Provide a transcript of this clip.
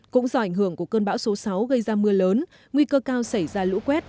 cũng do ảnh hưởng của cơn bão số sáu gây ra mưa lớn nguy cơ cao xảy ra lũ quét